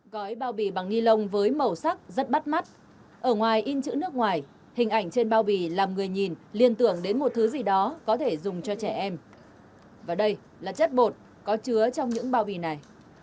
gói bao bì bằng ni lông với màu sắc rất bắt mắt ở ngoài in chữ nước ngoài hình ảnh trên bao bì làm người nhìn liên tưởng đến một thứ gì đó có thể dùng cho trẻ em và đây là chất bột có chứa trong những bao bì này